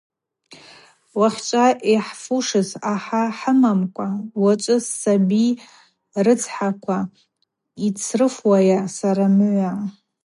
Уахьчӏва йхӏфушыз ахӏа хӏымамкӏва, Уачӏвы ссаби рыцхӏаква йдсрыфхуайа, сара мыгӏва.